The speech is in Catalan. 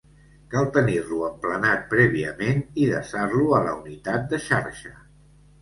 Cal tenir-lo emplenat prèviament i desar-lo a la unitat de xarxa.